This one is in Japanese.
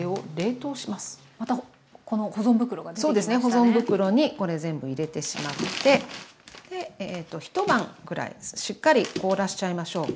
保存袋にこれ全部入れてしまって一晩ぐらいしっかり凍らしちゃいましょう。